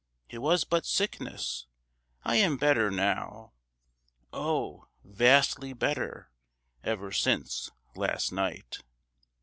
It was but sickness. I am better now, Oh, vastly better, ever since last night.